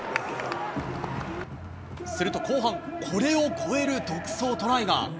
すると後半、これを超える独走トライが。